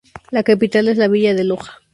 La capital es la villa de Loja.